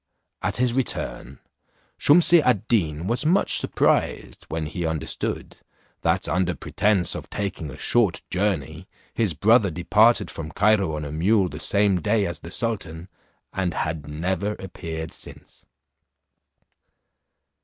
At his return, Shumse ad Deen was much surprised when he understood, that under presence of taking a short journey his brother departed from Cairo on a mule the same day as the sultan, and had never appeared since.